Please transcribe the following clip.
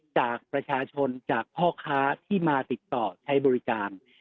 จากประชาชนจากพ่อค้าที่มาติดต่อใช้บริการ